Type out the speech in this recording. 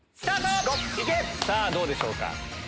さぁどうでしょうか？